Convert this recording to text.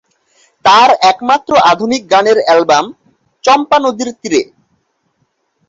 তার একমাত্র আধুনিক গানের অ্যালবাম "চম্পা নদীর তীরে"।